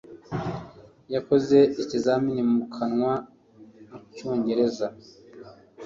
Yakoze ikizamini mu kanwa mucyongereza.